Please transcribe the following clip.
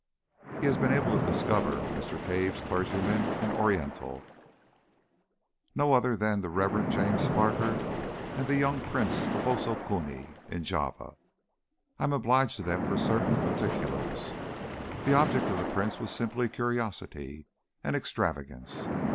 He has been able to discover Mr. Cave's clergyman and "Oriental" no other than the Rev. James Parker and the young Prince of Bosso Kuni in Java. I am obliged to them for certain particulars. The object of the Prince was simply curiosity and extravagance.